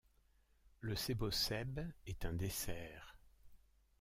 Le seboseb est un dessert.